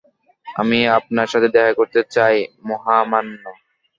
আমি আপনার সাথে দেখা করতে চাই, মহামান্য।